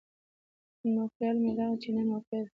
نو خيال مې راغے چې نن موقع ده ـ